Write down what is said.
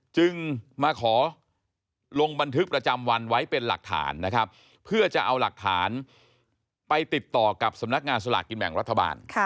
จึงมาขอลงบันทึกประจำวันไว้เป็นหลักฐานนะครับเพื่อจะเอาหลักฐานไปติดต่อกับสำนักงานสลากกินแบ่งรัฐบาล